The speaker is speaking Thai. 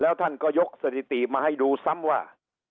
แล้วท่านก็ยกสถิติมาให้ดูซ้ำว่า